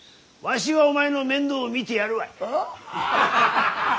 わしがお前の面倒を見てやるわい。